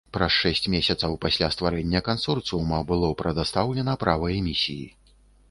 Праз шэсць месяцаў пасля стварэння кансорцыума было прадастаўлена права эмісіі.